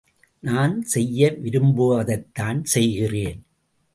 நான் செய்ய விரும்புவதைத்தான் செய்கிறேன்.